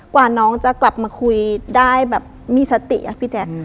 กว่าน้องจะกลับมาคุยได้แบบมีสติอะพี่แจ๊ค